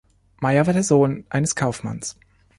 Meyer war der Sohn eines Kaufmanns.